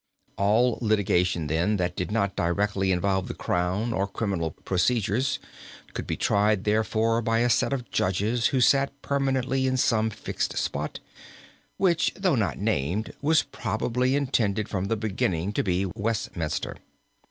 All litigation then, that did not directly involve the crown or criminal procedures, could be tried thereafter by a set of judges who sat permanently in some fixed spot, which though not named was probably intended from the beginning to be Westminster.